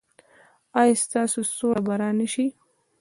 ایا ستاسو سوله به را نه شي؟